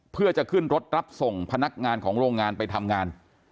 เพื่อจะขึ้นรถรับส่งพนักงานของโรงงานไปทำงาน